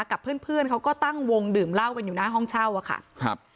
กับเพื่อนเขาก็ตั้งวงดื่มเหล้ากันอยู่หน้าห้องเช่าอ่ะค่ะ